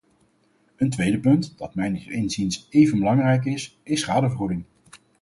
Een tweede punt, dat mijns inziens even belangrijk is, is schadevergoeding.